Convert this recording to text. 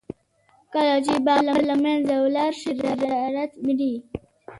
کله چې باور له منځه ولاړ شي، تجارت مري.